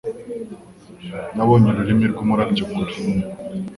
Nabonye urumuri rwumurabyo kure.